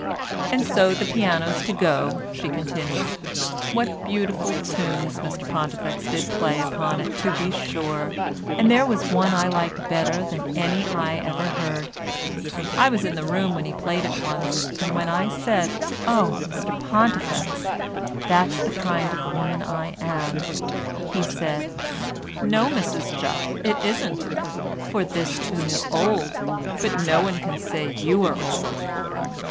"And so the piano's to go," she continued. "What beautiful tunes Mr Pontifex did play upon it, to be sure; and there was one I liked better than any I ever heard. I was in the room when he played it once and when I said, 'Oh, Mr Pontifex, that's the kind of woman I am,' he said, 'No, Mrs Jupp, it isn't, for this tune is old, but no one can say you are old.